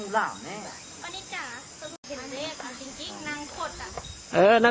นี่เห็นจริงตอนนี้ต้องซื้อ๖วัน